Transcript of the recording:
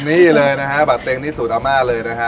นี่เลยนะฮะบะเต็งนี่สูตรอาม่าเลยนะฮะ